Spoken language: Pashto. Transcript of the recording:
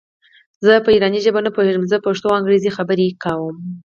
زه په ایراني ژبه نه پوهېږم زه پښتو او انګرېزي خبري کوم.